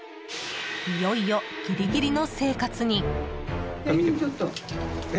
いよいよ、ギリギリの生活に。